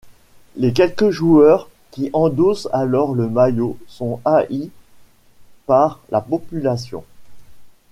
Les quelques joueurs qui endossent alors le maillot sont haïs par la population.